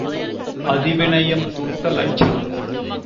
அதி விநயம் தூர்த்த லட்சணம்.